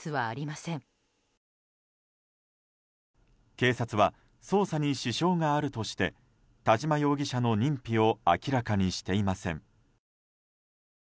警察は捜査に支障があるとして田嶋容疑者の認否を明らかにしていません。